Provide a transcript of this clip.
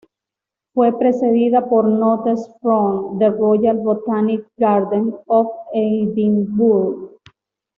Fue precedida por "Notes from the Royal Botanic Garden of Edinburgh.